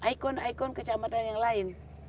ikon ikon kecamatan yang lain